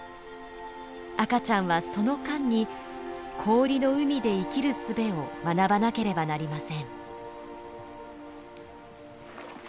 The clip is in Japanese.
赤ちゃんはその間に氷の海で生きるすべを学ばなければなりません。